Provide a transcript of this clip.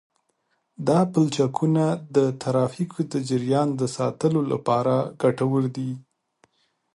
دا پلچکونه د ترافیکو د جریان د ساتلو لپاره ګټور دي